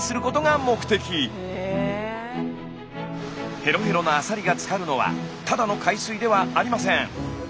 ヘロヘロなアサリがつかるのはただの海水ではありません。